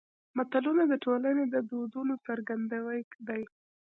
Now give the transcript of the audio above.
متلونه د ټولنې د دودونو څرګندوی دي